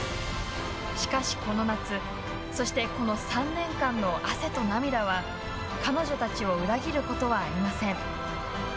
しかしこの夏そしてこの３年間の汗と涙は彼女たちを裏切ることはありません。